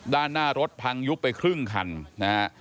ด้านหน้ารถพังยุบไปครึ่งคันนะฮะ